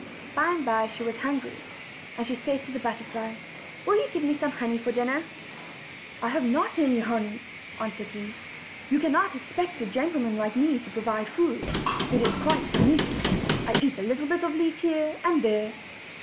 By and by she was hungry, and she said to the butter fly: "Will you give me some honey for dinner?" "I have not any honey," he answered; "you could not expect a gentleman like me to provide food. It is quite beneath me. I eat a little bit of leaf here and there."